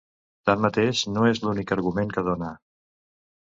Tanmateix, no és l’únic argument que dóna.